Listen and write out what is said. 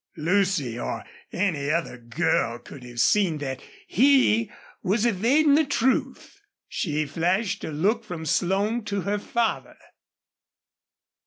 Lucy, or any other girl, could have seen that he, was evading the truth. She flashed a look from Slone to her father.